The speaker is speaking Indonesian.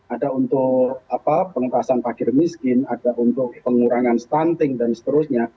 ada untuk pengetasan parkir miskin ada untuk pengurangan stunting dan seterusnya